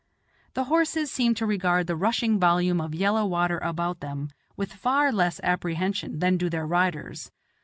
The horses seem to regard the rushing volume of yellow water about them with far less apprehension than do their riders.